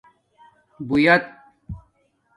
بویت